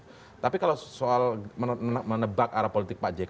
jadi ini sebenarnya kalau soal menebak arah politik pak jk